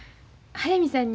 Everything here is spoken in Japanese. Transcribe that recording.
速水さんに？